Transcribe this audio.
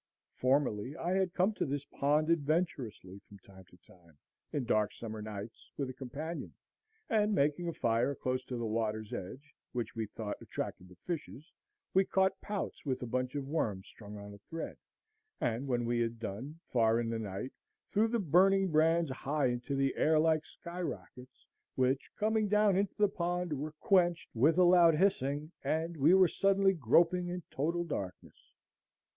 Formerly I had come to this pond adventurously, from time to time, in dark summer nights, with a companion, and making a fire close to the water's edge, which we thought attracted the fishes, we caught pouts with a bunch of worms strung on a thread; and when we had done, far in the night, threw the burning brands high into the air like skyrockets, which, coming down into the pond, were quenched with a loud hissing, and we were suddenly groping in total darkness.